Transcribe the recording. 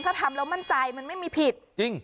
ถ้าทำแล้วมั่นใจมันไม่มีผิดจริง